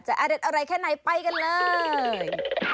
จะอะไรแค่ไหนไปกันเลย